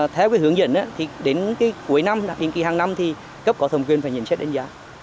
theo hướng dẫn đến cuối năm hình kỳ hàng năm thì cấp có thẩm quyền và nhận xét đánh giá